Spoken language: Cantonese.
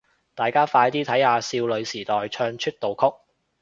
大家快啲睇下少女時代唱出道曲